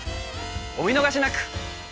お見逃しなく！